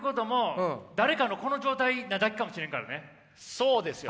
そうですよ。